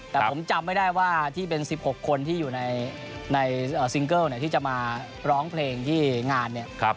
แต่ผมจำไม่ได้ว่าที่เป็น๑๖คนที่อยู่ในซิงเกิลที่จะมาร้องเพลงที่งานเนี่ย